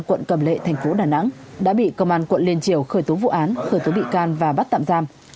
quận cầm lệ thành phố đà nẵng đã bị công an quận liên triều khởi tố vụ án khởi tố bị can và bắt tạm giam